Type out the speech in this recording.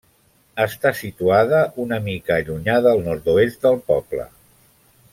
Està situada una mica allunyada al nord-oest del poble.